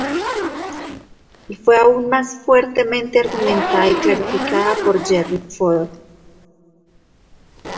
Y fue aún más fuertemente argumentada y clarificada por Jerry Fodor.